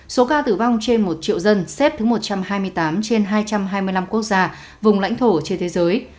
số ca tử vong trên một triệu dân xếp thứ một trăm hai mươi tám trên hai trăm hai mươi năm quốc gia vùng lãnh thổ trên thế giới